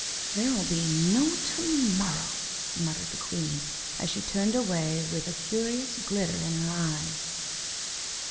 'There will be no to morrow,' muttered the queen, as she turned away with a curious glitter in her eyes.